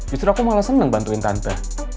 justru aku malah seneng bantuin tante